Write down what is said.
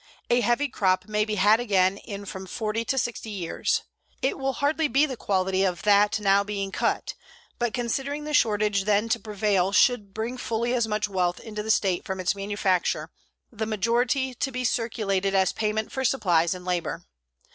A heavy crop may be had again in from 40 to 60 years. It will hardly be of the quality of that now being cut, but considering the shortage then to prevail should bring fully as much wealth into the state from its manufacture, the majority to be circulated as payment for supplies and labor.